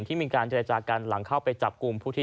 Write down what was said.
ที่มีการเจรจากันหลังเข้าไปจับกลุ่มผู้ที่